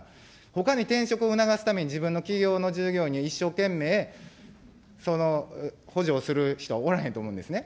ほかに転職を促すために、自分の企業の従業員に一生懸命、補助をする人はおらへんと思うんですね。